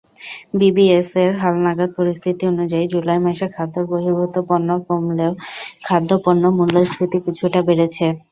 বিবিএসের হালনাগাদ পরিস্থিতি অনুযায়ী, জুলাই মাসে খাদ্যবহির্ভূত পণ্যে কমলেও খাদ্যপণ্যে মূল্যস্ফীতি কিছুটা বেড়েছে।